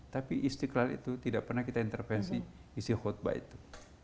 tapi istiqlal itu tidak pernah kita intervensi isi khutbah itu